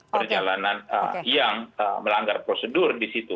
perjalanan yang melanggar prosedur di situ